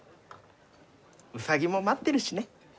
ウサギも待ってるしね。